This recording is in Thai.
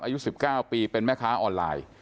อายุ๑๙ปีเป็นแม่ค้าออนไลน์